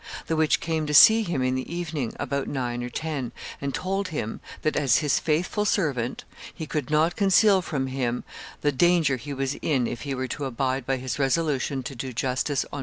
The which came to see him in the evening, about nine or ten, and told him that, as his faithful servant, he could not conceal from him the danger he was in if he were to abide by his resolution to do justice on M.